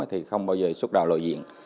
thì không bao giờ xúc đào lội diện